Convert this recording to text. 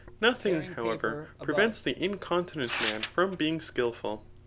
Nothing, however, prevents the incontinent man from being skilful.